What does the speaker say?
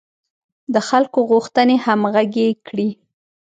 د خلکو غوښتنې همغږې کړي.